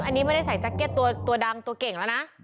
อันนี้ไม่ได้ใส่แจ็คเก็ตตัวดังตัวเก่งแล้วนะ